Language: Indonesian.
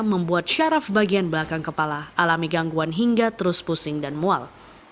membuat syaraf bagian belakang kepala alami gangguan hingga terus pusing dan mual